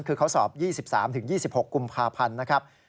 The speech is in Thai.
คือเขาสอบ๒๓๒๖กุมภาพันธ์นะครับ